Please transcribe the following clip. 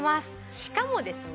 しかもですね